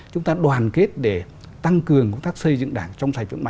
chúng ta đoàn kết để tăng cường công tác xây dựng đảng